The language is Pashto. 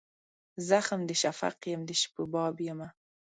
زخم د شفق یم د شپو باب یمه